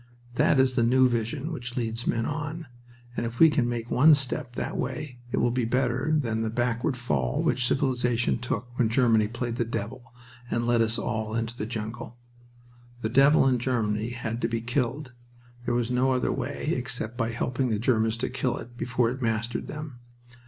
That is the new vision which leads men on, and if we can make one step that way it will be better than that backward fall which civilization took when Germany played the devil and led us all into the jungle. The devil in Germany had to be killed. There was no other way, except by helping the Germans to kill it before it mastered them.